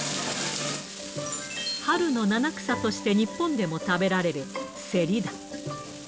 春の七草として日本でも食べられるセリだ。